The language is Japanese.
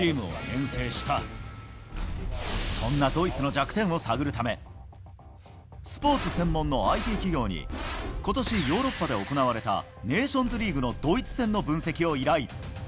そんなドイツの弱点を探るため、スポーツ専門のＩＴ企業に、ことしヨーロッパで行われたネーションズリーグのドイツ戦の分析を依頼。